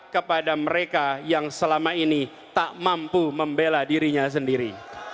kepada mereka yang selama ini tak mampu membela dirinya sendiri